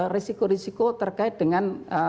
risiko risiko terkait dengan